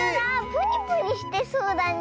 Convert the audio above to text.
プニプニしてそうだね